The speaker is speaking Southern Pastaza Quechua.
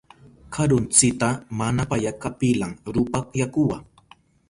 Karuntsita mama payaka pilan rupa yakuwa.